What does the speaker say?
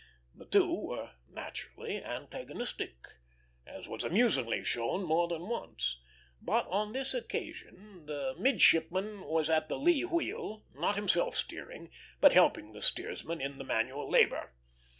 The two were naturally antagonistic, as was amusingly shown more than once; but on this occasion the midshipman was at the "lee wheel," not himself steering, but helping the steersman in the manual labor.